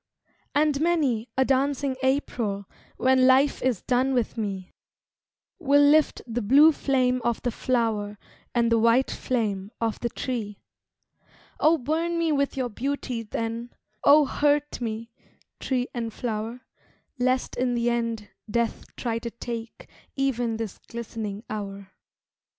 And many a dancing April When life is done with me, Will lift the blue flame of the flower And the white flame of the tree. Oh burn me with your beauty, then, Oh hurt me, tree and flower, Lest in the end death try to take Even this glistening hour.